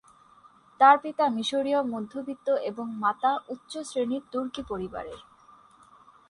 তার পিতা মিশরীয় মধ্যবিত্ত এবং মাতা উচ্চ শ্রেণীর তুর্কি পরিবারের।